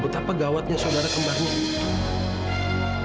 betapa gawatnya saudara kembangnya itu